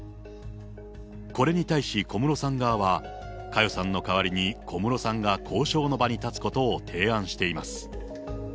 これに対し、小室さん側は、佳代さんの代わりに小室さんが交渉の場に立つことを提案しています。